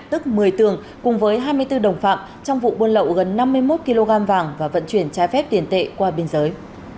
tức một mươi tường cùng với hai mươi bốn đồng phạm trong vụ buôn lậu gần năm mươi một kg vàng và vận chuyển trái phép tiền tệ qua biên giới